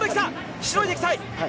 しのいでいきたい。